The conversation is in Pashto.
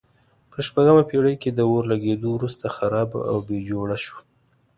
په شپږمه پېړۍ کې د اور لګېدو وروسته خرابه او بیا جوړه شوه.